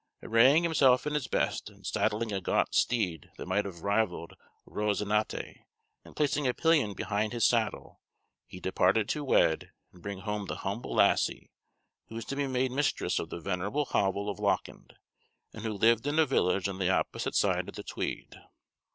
Arraying himself in his best, and saddling a gaunt steed that might have rivalled Rosinante, and placing a pillion behind his saddle, he departed to wed and bring home the humble lassie who was to be made mistress of the venerable hovel of Lauckend, and who lived in a village on the opposite side of the Tweed.